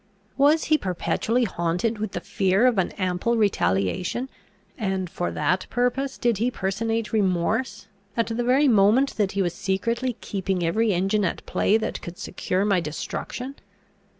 Was he perpetually haunted with the fear of an ample retaliation, and for that purpose did he personate remorse, at the very moment that he was secretly keeping every engine at play that could secure my destruction?"